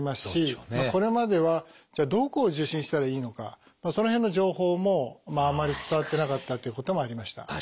しこれまではじゃあどこを受診したらいいのかその辺の情報もあんまり伝わってなかったっていうこともありました。